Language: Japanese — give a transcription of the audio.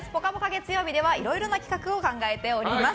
月曜日ではいろいろな企画を考えております。